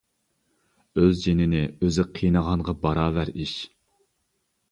ئۆز جېنىنى ئۆزى قىينىغانغا باراۋەر ئىش.